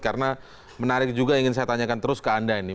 karena menarik juga ingin saya tanyakan terus ke anda ini